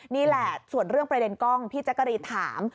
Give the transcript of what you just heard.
นี่แหละส่วนเรื่องประเด็นกล้องพี่แจ๊กกะรีนถาม